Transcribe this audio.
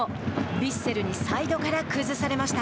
ヴィッセルにサイドから崩されました。